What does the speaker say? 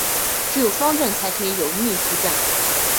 只有方阵才可能有逆矩阵。